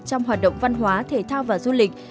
trong hoạt động văn hóa thể thao và du lịch